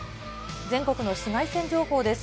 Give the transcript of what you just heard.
全国の紫外線情報です。